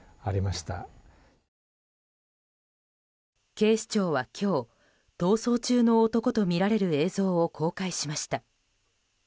警視庁は今日、逃走中の男とみられる映像を公開しました。